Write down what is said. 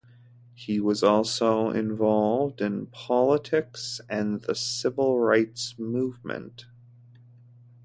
He was also involved in politics and the civil rights movement.